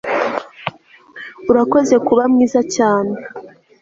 Urakoze kuba mwiza cyane